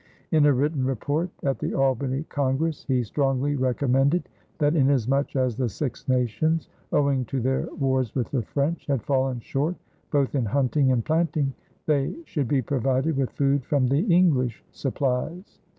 In a written report at the Albany congress he strongly recommended that inasmuch as the Six Nations, owing to their wars with the French, had fallen short both in hunting and planting, they should be provided with food from the English supplies.